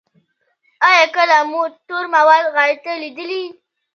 ایا کله مو تور مواد غایطه لیدلي؟